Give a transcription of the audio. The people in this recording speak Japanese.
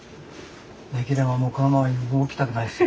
できればもうこのまま動きたくないですよ。